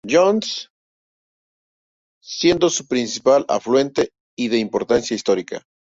Johns, siendo su principal afluente y de importancia histórica.